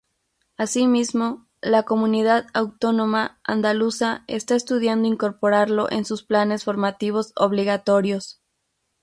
Así mismo, la comunidad autónoma andaluza está estudiando incorporarlo en sus planes formativos obligatorios.